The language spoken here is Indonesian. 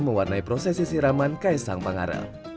mewarnai prosesi siraman kaisang pangare